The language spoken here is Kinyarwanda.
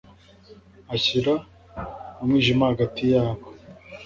ashyira umwijima hagati yabo